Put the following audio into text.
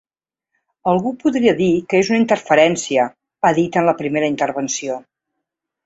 Algú podria dir que és una interferència, ha dit en la primera intervenció.